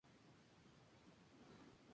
Lo inerva el nervio Laríngeo inferior.